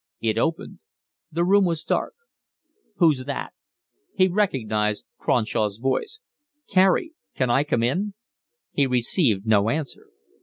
It opened. The room was dark. "Who's that?" He recognised Cronshaw's voice. "Carey. Can I come in?" He received no answer.